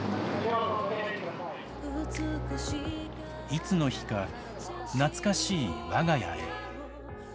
いつの日か、懐かしいわが家へ。